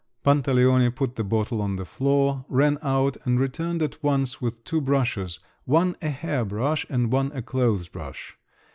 Pantaleone put the bottle on the floor, ran out and returned at once with two brushes, one a hair brush, and one a clothes brush.